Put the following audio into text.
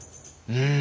うん。